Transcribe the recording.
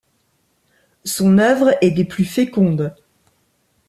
Son œuvre est des plus fécondes.